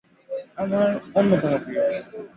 আমার অন্যতম প্রিয়।